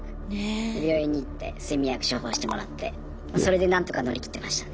病院に行って睡眠薬処方してもらってそれで何とか乗り切ってました。